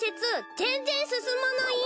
全然進まない！